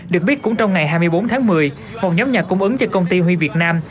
được biết cũng trong ngày hai mươi bốn tháng một mươi một nhóm nhà cung ứng cho công ty huy việt nam